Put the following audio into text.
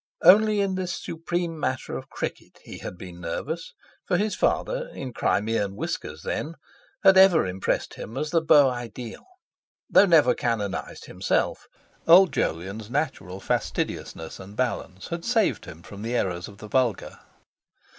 Only in this supreme matter of cricket he had been nervous, for his father—in Crimean whiskers then—had ever impressed him as the beau ideal. Though never canonised himself, Old Jolyon's natural fastidiousness and balance had saved him from the errors of the vulgar.